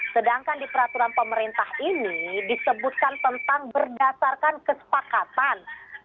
sedangkan di peraturan pemerintah ini disebutkan tentang berdasarkan kesepakatan